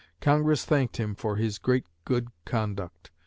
Congress thanked him "for his great good conduct."